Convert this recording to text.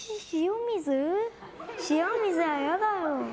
塩水はやだよ。